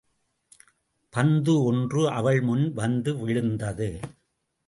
பந்து ஒன்று அவன் முன் வந்து விழுந்தது.